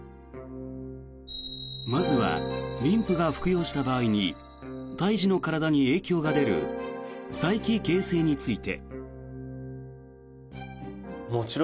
まずは妊婦が服用した場合に胎児の体に影響が出る催奇形性について。